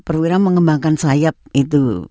perwira mengembangkan sayap itu